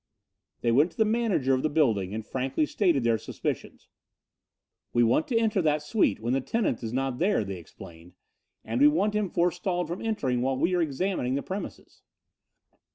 They went to the manager of the building and frankly stated their suspicions. "We want to enter that suite when the tenant is not there," they explained, "and we want him forestalled from entering while we are examining the premises."